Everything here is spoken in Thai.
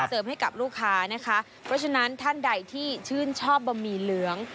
เสริมให้กับลูกค้านะคะเพราะฉะนั้นท่านใดที่ชื่นชอบบะหมี่เหลือง